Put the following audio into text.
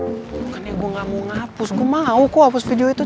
bukan ibu gak mau ngapus gue mau kok hapus video itu